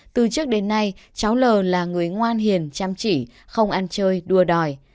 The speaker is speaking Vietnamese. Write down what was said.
từ trước đến nay cháu l là người ngoan hiền chăm chỉ không ăn chơi đua đòi